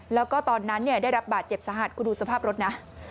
แล้วก็ตอนนั้นได้รับบาดเจ็บสาหัสคุณดูสภาพรถนะ